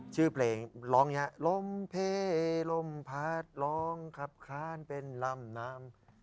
ชื่อเพลงร้องอย่างนี้ลมเพลลมพัดร้องขับคลานเป็นลำน้ำ